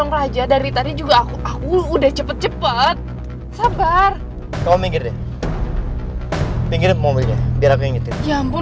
kelihatan yang lebih kuat dari seluruh malam yang belum kucapin